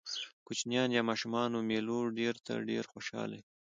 کوچنيان يا ماشومان و مېلو ډېر ته ډېر خوشحاله يي.